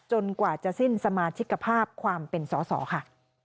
กว่าจะสิ้นสมาชิกภาพความเป็นสอสอค่ะ